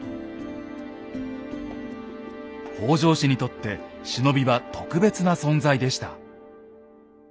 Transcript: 北条氏にとって忍びは特別な存在でした。